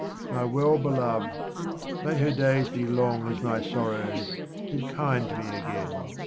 My well beloved — may her days be long as my sorrows !— is kind to me again.